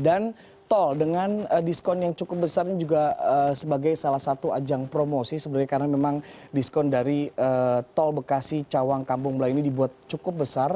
dan tol dengan diskon yang cukup besar ini juga sebagai salah satu ajang promosi sebenarnya karena memang diskon dari tol bekasi cawang kampung belah ini dibuat cukup besar